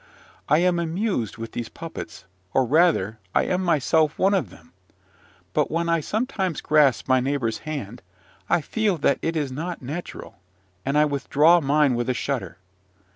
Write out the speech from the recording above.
I am amused with these puppets, or, rather, I am myself one of them: but, when I sometimes grasp my neighbour's hand, I feel that it is not natural; and I withdraw mine with a shudder.